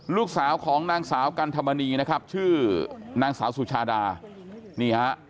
ลูกสาวของนางสาวกันธรรมนีนะครับชื่อนางสาวสุชาดานี่ฮะ